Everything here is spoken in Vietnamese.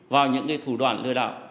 vào những cái thủ đoạn lừa đảo